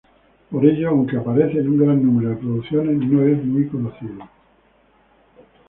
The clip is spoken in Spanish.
Por ello, aunque aparece en un gran número de producciones, no es muy conocido.